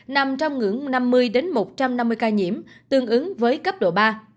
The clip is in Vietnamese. nằm trong ngưỡng năm mươi một trăm năm mươi ca nhiễm tương ứng với cấp độ ba